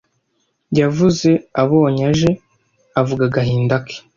yavuze abonye aje avuga agahinda ke